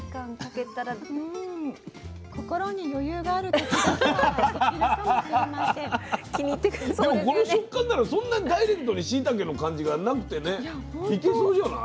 でもこの食感ならそんなにダイレクトにしいたけの感じがなくてねいけそうじゃない？